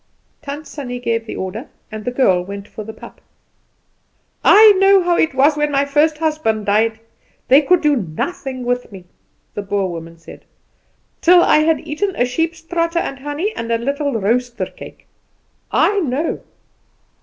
Tant Sannie gave the order, and the girl went for the pap. "I know how it was when my first husband died. They could do nothing with me," the Boer woman said, "till I had eaten a sheep's trotter, and honey, and a little roaster cake. I know."